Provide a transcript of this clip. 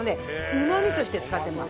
うまみとして使ってます。